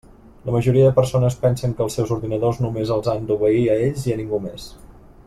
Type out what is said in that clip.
La majoria de persones pensen que els seus ordinadors només els han d'obeir a ells i a ningú més.